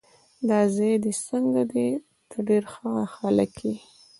دا ځای دې څنګه دی؟ ته ډېر ښه هلک یې.